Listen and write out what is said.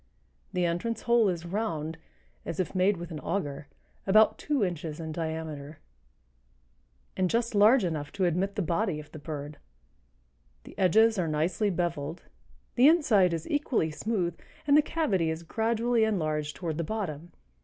The entrance hole is round, as if made with an auger, about two inches in diameter, and just large enough to admit the body of the bird; the edges are nicely beveled, the inside is equally smooth, and the cavity is gradually enlarged toward the bottom.